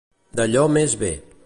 D'allò més bé.